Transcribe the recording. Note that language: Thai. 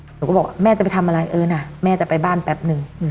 หนูก็บอกแม่จะไปทำอะไรเออนะแม่จะไปบ้านแป๊บนึง